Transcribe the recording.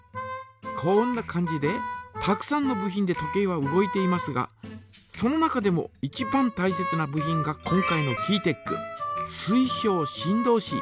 こんな感じでたくさんの部品で時計は動いていますがその中でもいちばんたいせつな部品が今回のキーテック水晶振動子。